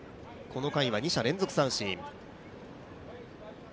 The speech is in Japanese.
この回は２者連続三振。